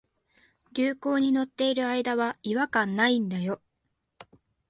流行に乗ってる間は違和感ないんだよ